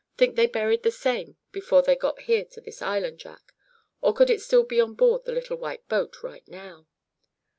Think they buried the same before they got here to this island, Jack, or could it still be on board the little white boat right now?"